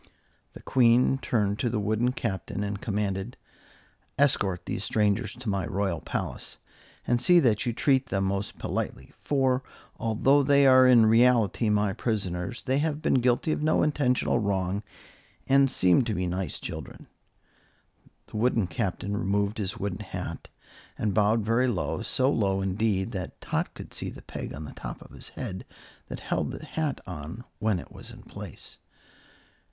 The Queen turned to the wooden Captain and commanded: "Escort these strangers to my royal palace, and see that you treat them most politely; for although they are in reality my prisoners, they have been guilty of no intentional wrong and seem to be nice children." The wooden Captain removed his wooden hat and bowed very low, so low indeed that Tot could see the peg on the top of his head that held the hat on when it was in place.